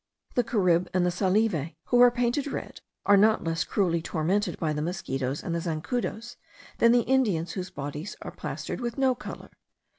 The Carib and the Salive, who are painted red, are not less cruelly tormented by the mosquitos and the zancudos, than the Indians whose bodies are plastered with no colour.